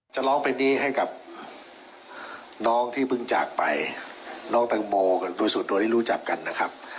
จะร้องเพลงนี้ให้กับน้องที่เพิ่งจากไปน้องแตงโมโดยส่วนตัวที่รู้จักกันนะครับ